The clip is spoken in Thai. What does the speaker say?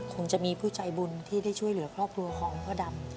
คงจะมีผู้ใจบุญที่ได้ช่วยเหลือครอบครัวของพ่อดำ